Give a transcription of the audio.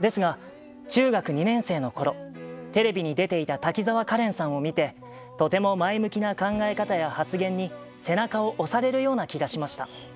ですが、中学２年生のころテレビに出ていた滝沢カレンさんを見てとても前向きな考え方や発言に背中を押されるような気がしました。